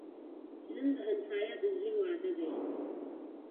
نن د همسایه د زوی واده دی